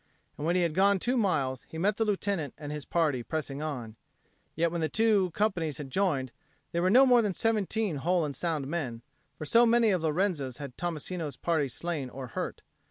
And when he had gone two miles, he met the Lieutenant and his party, pressing on. Yet when the two companies had joined, they were no more than seventeen whole and sound men, so many of Lorenzo's had Tommasino's party slain or hurt.